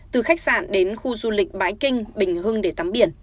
từ khách sạn đến khu du lịch bãi kinh bình hưng để tắm biển